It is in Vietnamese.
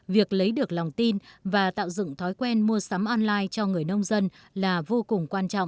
việc lấy được lòng tin và tạo dựng thói quen mua sắm online cho người nông dân là vô cùng quan trọng